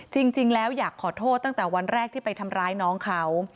จริงแล้วอยากขอโทษตั้งแต่วันแรกที่ไปทำร้ายน้องเขา